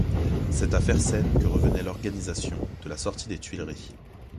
C'est à Fersen que revenait l'organisation de la sortie des Tuileries.